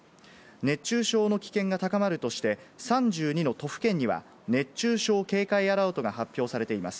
熱中症の危険が高まるとして、３２の都府県には、熱中症警戒アラートが発表されています。